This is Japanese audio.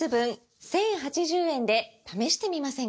１，０８０円で試してみませんか？